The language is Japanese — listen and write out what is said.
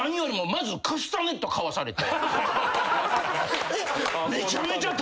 まずカスタネット買わされて。